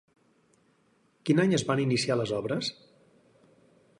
Quin any es van iniciar les obres?